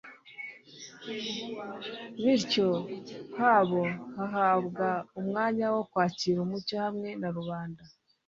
bityo ha bo bahabwa umwanya wo kwakira umucyo hamwe na rubanda.